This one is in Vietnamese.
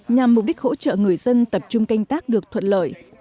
nhằm mục đích hỗ trợ người dân tập trung canh tác được thuận lợi